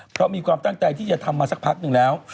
เพราะมีความตั้งใจที่จะทำมาสักพักหนึ่งแล้ว